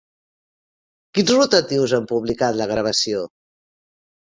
Quins rotatius han publicat la gravació?